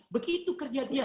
begitu kerja dia